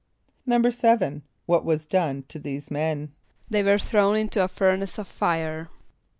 = =7.= What was done to these men? =They were thrown into a furnace of fire.